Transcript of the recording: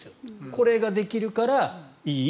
これができるからいい。